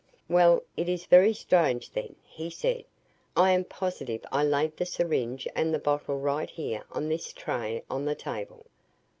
"Well, it is very strange then," he said, "I am positive I laid the syringe and the bottle right here on this tray on the table."